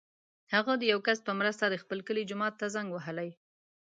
هغه د یو کس په مرسته د خپل کلي جومات ته زنګ وهلی.